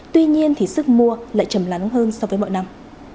tuy nhiên thì sức mua lại trầm lắn hơn so với mọi năm